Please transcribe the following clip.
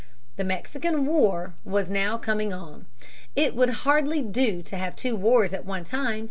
The Mexican War was now coming on. It would hardly do to have two wars at one time.